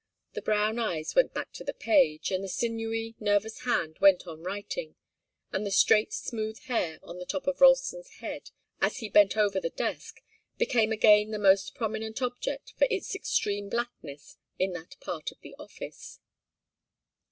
The brown eyes went back to the page, and the sinewy, nervous hand went on writing, and the straight, smooth hair on the top of Ralston's head, as he bent over the desk, became again the most prominent object, for its extreme blackness, in that part of the office.